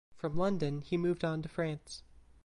From London he moved on to France.